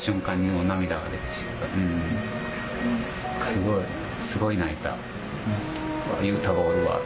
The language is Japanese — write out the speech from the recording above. すごいすごい泣いた。